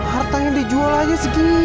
harta yang dijual aja segini